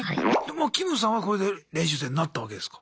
キムさんはこれで練習生になったわけですか。